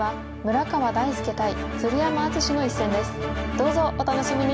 どうぞお楽しみに！